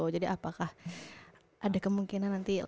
jadi apakah ada kemungkinan nanti